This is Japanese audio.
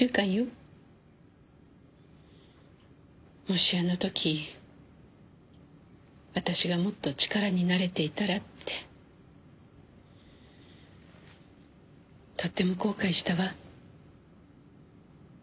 もしあのとき私がもっと力になれていたらってとっても後悔したわ。